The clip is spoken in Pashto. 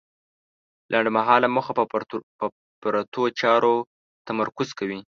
لنډمهاله موخه په پرتو چارو تمرکز کوي.